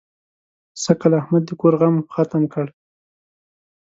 سږکال احمد د کور غم ختم کړ.